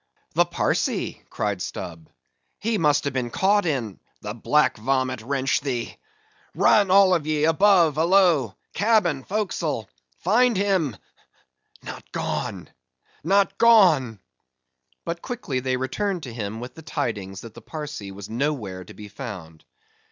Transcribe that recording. "The Parsee!" cried Stubb—"he must have been caught in——" "The black vomit wrench thee!—run all of ye above, alow, cabin, forecastle—find him—not gone—not gone!" But quickly they returned to him with the tidings that the Parsee was nowhere to be found.